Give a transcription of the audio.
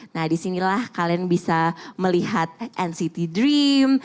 nah di sinilah kalian bisa melihat nct dream